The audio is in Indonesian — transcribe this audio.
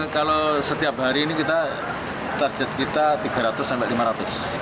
kalau setiap hari ini kita target kita tiga ratus sampai lima ratus